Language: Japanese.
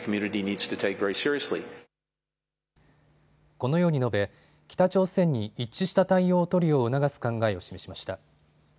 このように述べ、北朝鮮に一致した対応を取るよう促す考えを示しました。